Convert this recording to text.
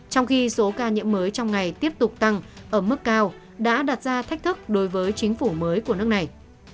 trong khi số ca nhiễm mới trong ngày tiếp tục tăng ở mức cao đã đặt ra thách thức đối với chính phủ mới của nước này